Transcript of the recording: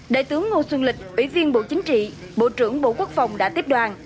đại tướng ngô xuân lịch ủy viên bộ chính trị bộ trưởng bộ quốc phòng đã tiếp đoàn